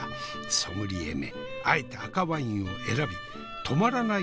ソムリエめあえて赤ワインを選び止まらない